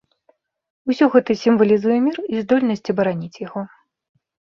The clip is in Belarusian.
Усё гэта сімвалізуе мір і здольнасць абараніць яго.